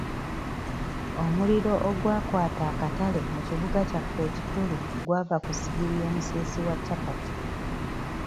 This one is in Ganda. Omuliro ogwakwata akatale mu kibuga kyaffe ekikukulu gwava ku ssigiri y'omusiisi wa capati.